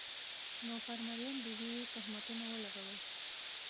نو پر مریم بي بي یې تهمتونه ولګول.